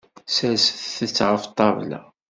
Serset-t ɣef ṭṭabla.